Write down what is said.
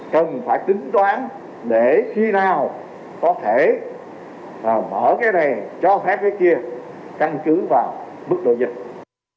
cần phải tính toán để khi nào có thể mở cái này cho phép cái kia căn cứ vào mức độ dịch